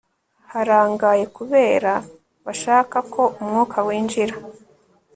harangaye kubera bashaka ko umwuka winjira